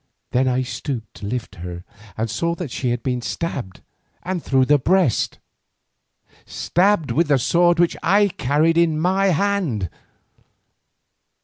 Then I stooped to lift her and saw that she had been stabbed, and through the breast, stabbed with the sword which I carried in my hand.